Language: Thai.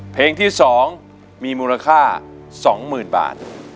เพลงที่๒มีมูลค่า๒๐๐๐บาท